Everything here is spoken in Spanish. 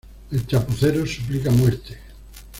El Chapucero suplica muerte.